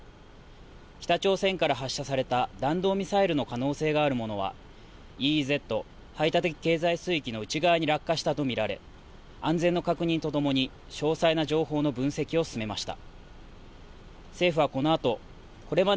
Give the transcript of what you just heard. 北朝鮮から発射された弾道ミサイルの可能性があるものはＥＥＺ・排他的経済水域の内側に落下したと見られ安全の確認とともに詳細な情報の分析を進めました。